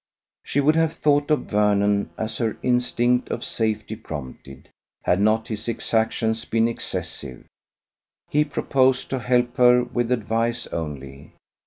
She would have thought of Vernon, as her instinct of safety prompted, had not his exactions been excessive. He proposed to help her with advice only.